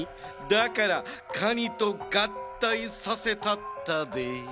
だからカニとがったいさせたったで。